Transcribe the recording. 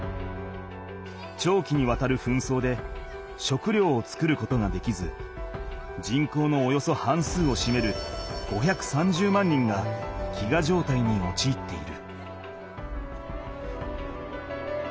長期にわたる紛争で食料を作ることができず人口のおよそ半数をしめる５３０万人が飢餓状態におちいっている。